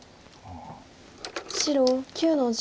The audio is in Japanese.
白９の十。